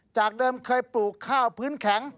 จากเดิมเคยปลูกข้าวพื้นแข็ง